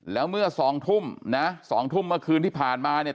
แล้วเมื่อสองทุ่มนะ๒ทุ่มเมื่อคืนที่ผ่านมาเนี่ย